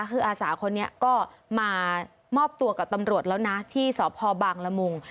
คืออาสาคนนี้ก็มามอบตัวกับตำรวจแล้วนะที่สพบางละมุง